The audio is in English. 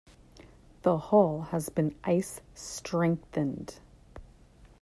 The hull has been ice-strengthened.